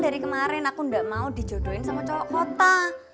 dari kemarin aku nggak mau dijodohin sama cowok kota